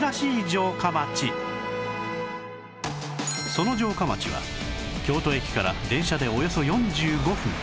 その城下町は京都駅から電車でおよそ４５分